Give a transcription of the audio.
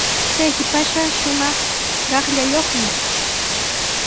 Chay shipashqa shumaq qaqllayuqmi.